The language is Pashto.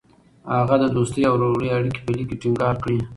هغه د دوستۍ او ورورولۍ اړیکې په لیک کې ټینګار کړې.